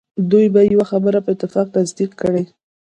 دوی به یوه خبره په اتفاق تصدیق کړي.